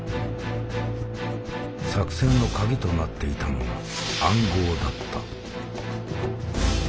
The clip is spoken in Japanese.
作戦の鍵となっていたのが「暗号」だった。